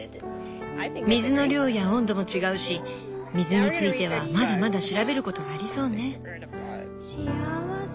水の量や温度も違うし水についてはまだまだ調べることがありそうね。